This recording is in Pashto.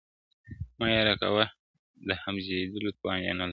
مه یې را کوه د هضمېدلو توان یې نلرم,